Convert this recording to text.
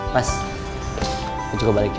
mas aku cek lo balik ya